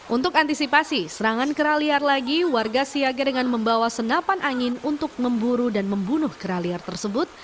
untuk antisipasi serangan kerah liar lagi warga siaga dengan membawa senapan angin untuk memburu dan membunuh kerah liar tersebut